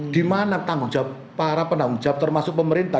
dimana tanggung jawab para penanggung jawab termasuk pemerintah